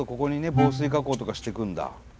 防水加工とかしてくんだ。